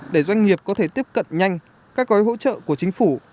để doanh nghiệp có thể tiếp cận nhanh các gói hỗ trợ của chính phủ